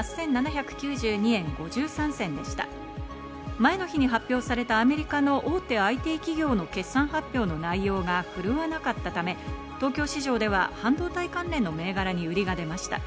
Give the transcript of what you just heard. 前の日に発表されたアメリカの大手ＩＴ企業の決算発表の内容が振るわなかったため、東京市場では半導体関連の銘柄に売りが出ました。